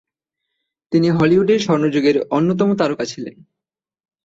তিনি হলিউডের স্বর্ণযুগের অন্যতম তারকা ছিলেন।